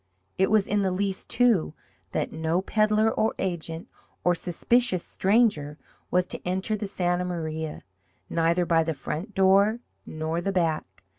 It was in the Lease, too, that no peddler or agent, or suspicious stranger was to enter the Santa Maria, neither by the front door nor the back.